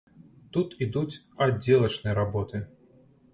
Тут ідуць аддзелачныя работы.